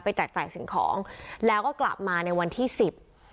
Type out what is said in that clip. แจกจ่ายสิ่งของแล้วก็กลับมาในวันที่สิบ